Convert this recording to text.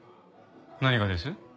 何がです？